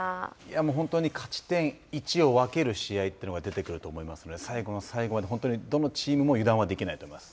本当に勝ち点１を分ける試合というのが出てくると思いますので最後の最後まで本当にどのチームも油断はできないと思います。